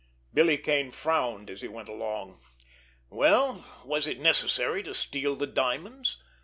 Billy Kane frowned, as he went along. Well, was it necessary to steal the diamonds?